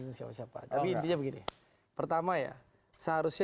menyinggung partai demokrat atau enggak menyinggung siapa siapa tapi dia begini pertama ya seharusnya